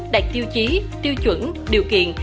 đạt tiêu chí tiêu chuẩn điều kiện